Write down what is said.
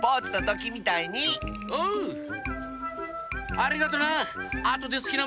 ありがとな！